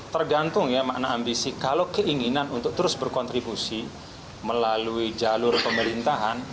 tergantung ya makna ambisi kalau keinginan untuk terus berkontribusi melalui jalur pemerintahan